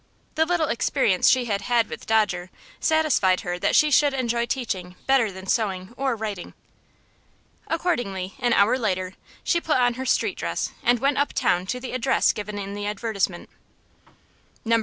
The little experience she had had with Dodger satisfied her that she should enjoy teaching better than sewing or writing. Accordingly, an hour later, she put on her street dress and went uptown to the address given in the advertisement. No.